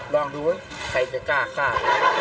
ลองดูเว้ยใครจะกล้าฆ่า